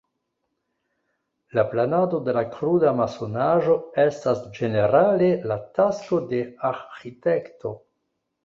La planado de la kruda masonaĵo estas ĝenerale la tasko de arĥitekto.